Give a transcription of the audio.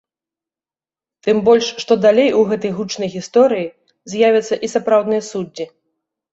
Тым больш, што далей у гэтай гучнай гісторыі з'явяцца і сапраўдныя суддзі.